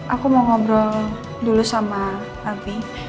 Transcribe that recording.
aku mau ngobrol dulu sama raffi